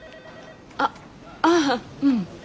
あっああううん。